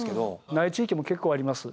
ない地域も結構あります。